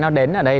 nó đến ở đây